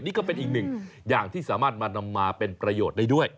นี่ก็เป็นอีกหนึ่งอย่างที่สามารถมานำมาเป็นประโยชน์ได้ด้วย